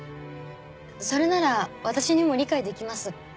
それなら私にも理解できます。